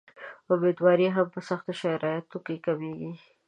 امیندواري هم په سختو شرایطو کې کمېږي.